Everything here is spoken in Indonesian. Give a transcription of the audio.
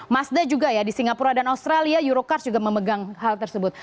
mazda juga ya di singapura dan australia eurocars juga memegang hal tersebut